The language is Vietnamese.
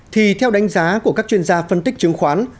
thì theo đánh giá của các chuyên gia phân tích chứng khoán